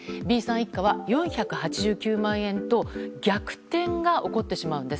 一家は４８９万円と逆転が起こってしまうんです。